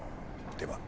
では」